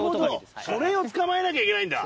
それを捕まえなきゃいけないんだ。